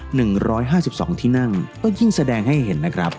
หนึ่งร้อยห้าสิบสองที่นั่งก็ยิ่งแสดงให้เห็นนะครับ